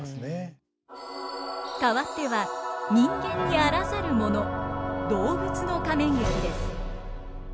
かわっては人間にあらざるもの動物の仮面劇です。